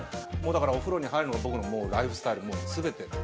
もうだからお風呂に入るのが僕のもうライフスタイルもう全て。